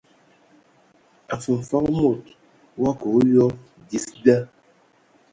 Mfəfəg mod wa kə a oyoa dis da.